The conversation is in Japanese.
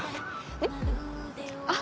えっ？